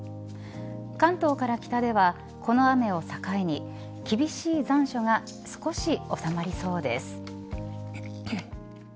関東から北ではこの雨を境に厳しい残暑が少し収まりそうです。